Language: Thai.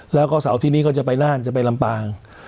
แล้วก็เสาร์ที่นี้ก็จะไปน่านจะไปลำปาง